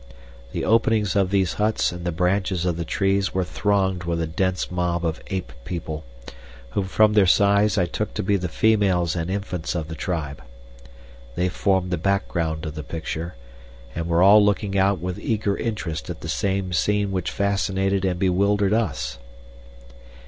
The openings of these huts and the branches of the trees were thronged with a dense mob of ape people, whom from their size I took to be the females and infants of the tribe. They formed the background of the picture, and were all looking out with eager interest at the same scene which fascinated and bewildered us.